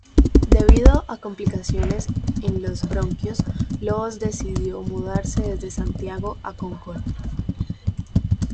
Debido a complicaciones en los bronquios, Lobos decidió mudarse desde Santiago a Concón.